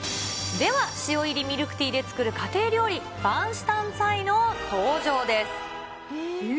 では、塩入りミルクティーで作る家庭料理、バンシタイ・ツァイの登場でえ？